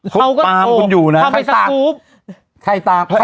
เขาตามคุณอยู่นะ